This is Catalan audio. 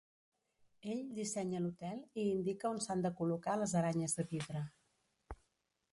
Ell dissenya l'hotel i indica on s'han de col·locar les aranyes de vidre.